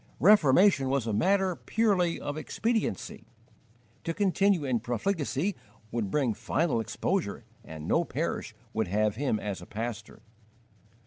Reformation was a matter purely of expediency: to continue in profligacy would bring final exposure, and no parish would have him as a pastor.